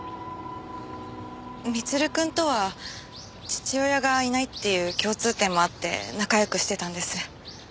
光留くんとは父親がいないっていう共通点もあって仲良くしてたんです。